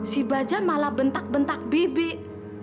si baja malah bentak bentak bibit